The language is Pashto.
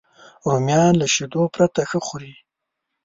رومیان له شیدو پرته ښه خوري